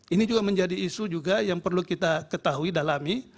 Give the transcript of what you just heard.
ini juga menjadi isu juga yang perlu kita ketahui dalami